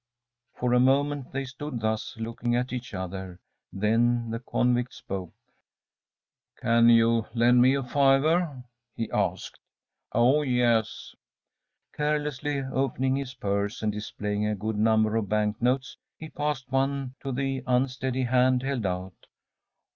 For a moment they stood thus, looking at each other. Then the convict spoke. “Can you lend me a fiver?‚ÄĚ he asked. “Oh yes!‚ÄĚ Carelessly opening his purse, and displaying a good number of bank notes, he passed one to the unsteady hand held out.